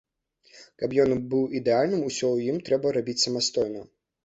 Каб ён быў ідэальным, усё ў ім трэба рабіць самастойна.